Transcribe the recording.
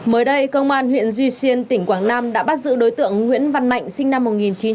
mới đây công an huyện duy xuyên tỉnh quảng nam đã bắt giữ đối tượng nguyễn văn mạnh sinh năm một nghìn chín trăm tám mươi